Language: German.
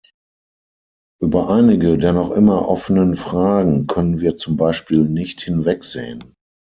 Über einige der noch immer offenen Fragen können wir zum Beispiel nicht hinwegsehen.